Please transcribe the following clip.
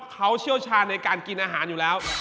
เขาเชี่ยวชาญในการกินอาหารอยู่แล้ว